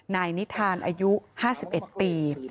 นายนิทานอายุ๕๑ปี